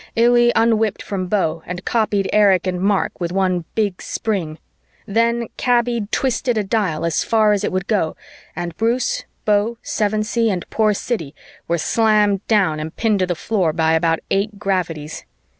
Illy un whipped from Beau and copied Erich and Mark with one big spring. Then Kaby twisted a dial as far as it would go and Bruce, Beau, Sevensee and poor Siddy were slammed down and pinned to the floor by about eight gravities.